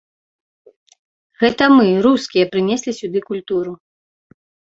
Гэта мы, рускія, прынеслі сюды культуру.